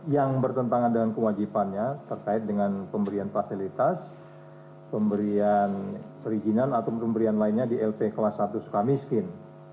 yang bertentangan dengan kewajibannya terkait dengan pemberian fasilitas pemberian perizinan atau pemberian lainnya di lp kelas satu suka miskin